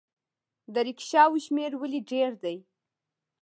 د ریکشاوو شمیر ولې ډیر دی؟